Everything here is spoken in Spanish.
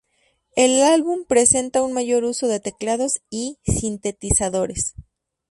El álbum presenta un mayor uso de teclados y sintetizadores.